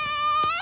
あ！